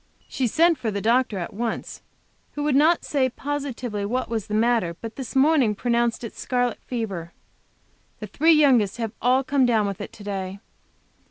She sent for the doctor at once, who would not say positively what was the matter, but this morning pronounced it scarlet fever. The three youngest have all come down with it to day.